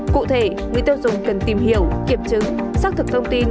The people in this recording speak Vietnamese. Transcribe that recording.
cụ thể người tiêu dùng cần tìm hiểu kiểm chứng xác thực thông tin